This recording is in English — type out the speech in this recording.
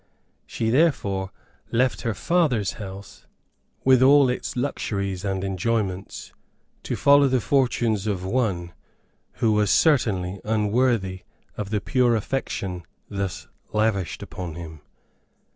She therefore left her father's house, with all its luxuries and enjoyments, to follow the fortunes of one, who was certainly unworthy of the pure affection thus lavished upon him.